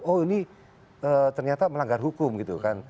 oh ini ternyata melanggar hukum gitu kan